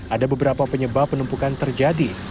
ada beberapa penyebab penumpukan terjadi